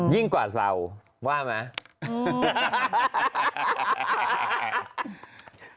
ยิ่งกว่าเราว่าไหม